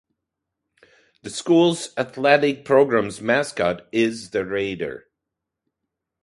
The school's athletic programs' mascot is the Raider.